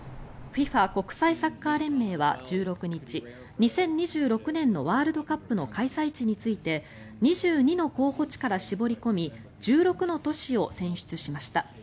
ＦＩＦＡ・国際サッカー連盟は１６日２０２６年のワールドカップの開催地について２２の候補地から絞り込み１６の都市を選出しました。